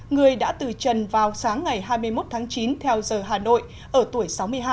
người đã từ trần vào sáng ngày hai mươi một tháng chín theo giờ hà nội ở tuổi sáu mươi hai